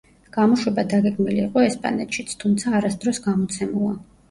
გამოშვება დაგეგმილი იყო ესპანეთშიც, თუმცა არასდროს გამოცემულა.